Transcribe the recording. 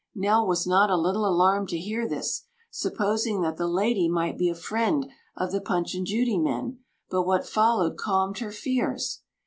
Nell was not a little alarmed to hear this, supposing that the lady might be a friend of the Punch and Judy men, but what followed calmed her fears.